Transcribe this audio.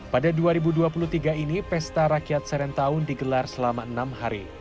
pada dua ribu dua puluh tiga ini pesta rakyat serentaun digelar selama enam hari